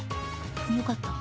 よかった。